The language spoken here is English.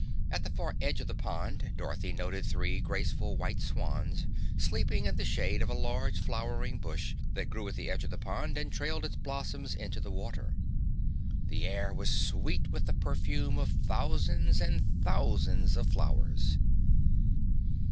At the far edge of the pond Dorothy noted three graceful white swans, sleeping in the shade of a large flowering bush that grew at the edge of the pond and trailed its blossoms into the water. The air was sweet with the perfume of thousands and thousands of flowers.